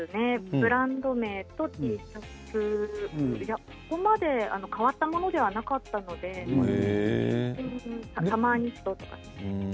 ブランド名とＴシャツいや、そこまで変わったものではなかったのでサマーニットとかですね。